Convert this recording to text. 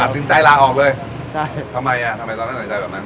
ตัดสินใจลาออกเลยทำไมตอนนั้นในใจแบบนั้น